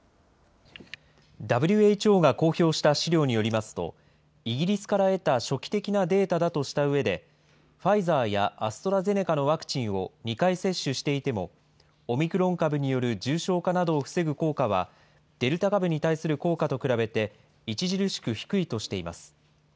ＷＨＯが公表した資料によりますと、イギリスから得た初期的なデータだとしたうえで、ファイザーやアストラゼネカのワクチンを２回接種していても、オミクロン株による重症化などを防ぐ効果は、デルタ株に対する効果と比べて、著しく低いとしています。